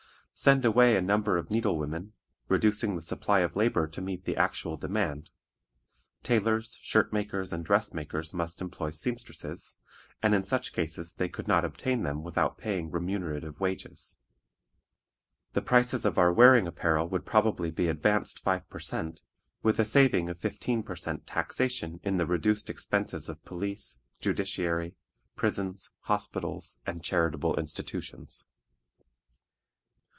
Send away a number of needle women, reducing the supply of labor to meet the actual demand; tailors, shirt makers, and dress makers must employ seamstresses, and in such cases they could not obtain them without paying remunerative wages. The prices of our wearing apparel would probably be advanced five per cent., with a saving of fifteen per cent. taxation in the reduced expenses of police, judiciary, prisons, hospitals, and charitable institutions.